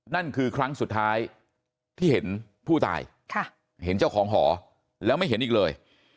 นั่นคือครั้งสุดท้ายที่เห็นผู้ตายเห็นเจ้าของหอแล้วไม่เห็นอีกเลย